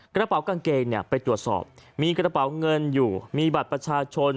กระเป๋ากางเกงเนี่ยไปตรวจสอบมีกระเป๋าเงินอยู่มีบัตรประชาชน